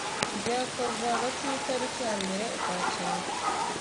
byakozwe hagati y itariki ya mbere Ukwakira